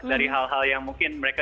dari hal hal yang mungkin mereka